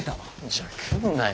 じゃあ来んなよ。